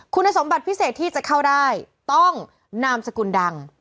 คุณสมบัติพิเศษที่จะเข้าได้ต้องนามสกุลดัง